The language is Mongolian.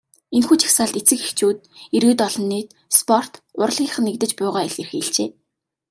Энэхүү жагсаалд эцэг эхчүүд, иргэд олон нийт, спорт, урлагийнхан нэгдэж буйгаа илэрхийлжээ.